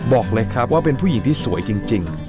บอกเลยครับว่าเป็นผู้หญิงที่สวยจริง